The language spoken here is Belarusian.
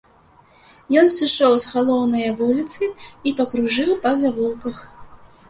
Ён сышоў з галоўнае вуліцы і пакружыў па завулках.